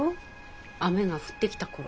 雨が降ってきた頃。